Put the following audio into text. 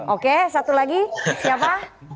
oke satu lagi siapa